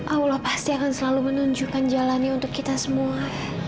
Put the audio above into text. allah pasti akan selalu menunjukkan jalannya untuk kita semua